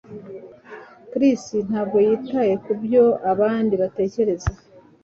Chris ntabwo yitaye kubyo abandi batekereza